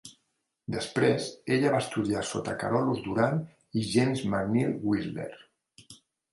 Després ella va estudiar sota Carolus-Duran i James McNeill Whistler.